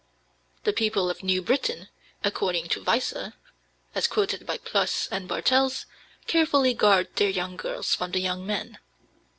The people of New Britain, according to Weisser (as quoted by Ploss and Bartels), carefully guard their young girls from the young men.